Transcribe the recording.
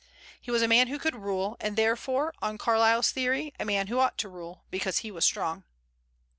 He was a man who could rule, and therefore, on Carlyle's theory, a man who ought to rule, because he was strong.